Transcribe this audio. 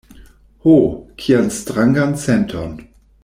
Ho, kian strangan senton!